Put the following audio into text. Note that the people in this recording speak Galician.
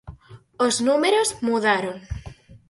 Os números mudaron.